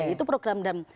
itu program dan